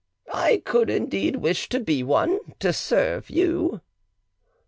"I could indeed wish to be one, to serve you.".